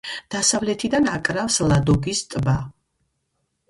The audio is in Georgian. დასავლეთიდან აკრავს ლადოგის ტბა.